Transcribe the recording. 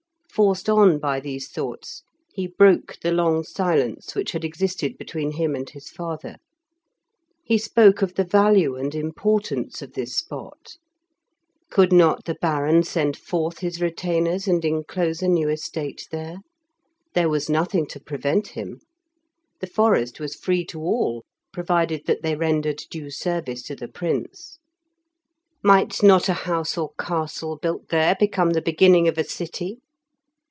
Forced on by these thoughts, he broke the long silence which had existed between him and his father. He spoke of the value and importance of this spot; could not the Baron send forth his retainers and enclose a new estate there? There was nothing to prevent him. The forest was free to all, provided that they rendered due service to the Prince. Might not a house or castle built there become the beginning of a city?